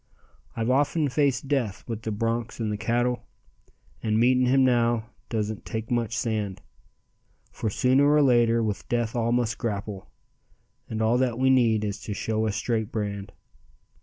"I've often faced death with the bronks and the cattle, And meeting him now doesn't take so much sand. For sooner or later with death all must grapple, And all that we need is to show a straight brand.